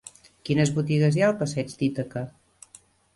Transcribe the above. Quines botigues hi ha al passeig d'Ítaca?